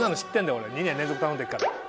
俺２年連続頼んでっから。